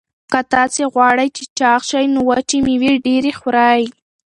که تاسي غواړئ چې چاغ شئ نو وچې مېوې ډېرې خورئ.